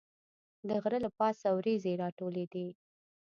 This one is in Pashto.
د غره له پاسه وریځې راټولېدې.